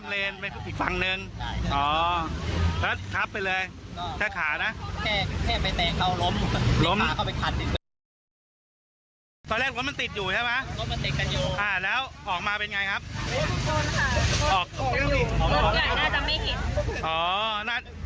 ไม่ได้พูดคุณค่ะรถใหญ่น่าจะไม่เห็น